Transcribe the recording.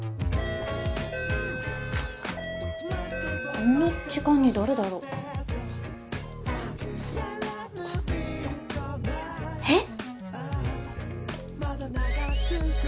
こんな時間に誰だろう？えっ！？